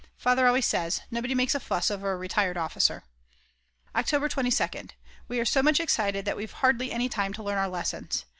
Father always says: Nobody makes any fuss over a retired officer. October 22nd. We are so much excited that we've hardly any time to learn our lessons.